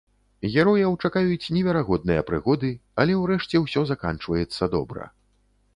Герояў чакаюць неверагодныя прыгоды, але ўрэшце ўсё заканчваецца добра.